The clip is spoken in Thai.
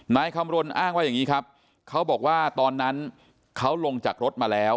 นายคำรณอ้างว่าอย่างนี้ครับเขาบอกว่าตอนนั้นเขาลงจากรถมาแล้ว